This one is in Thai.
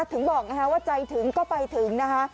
ถึงบอกว่าใจถึงก็ไปถึงนะคะ